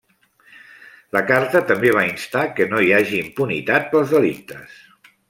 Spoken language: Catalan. La carta també va instar que no hi hagi impunitat pels delictes.